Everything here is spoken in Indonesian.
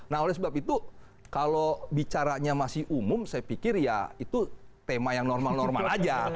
nah oleh sebab itu kalau bicaranya masih umum saya pikir ya itu tema yang normal normal aja